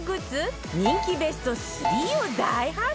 人気ベスト３を大発表